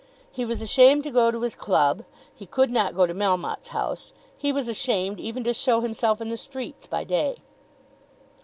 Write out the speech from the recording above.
He was ashamed to go to his club. He could not go to Melmotte's house. He was ashamed even to show himself in the streets by day.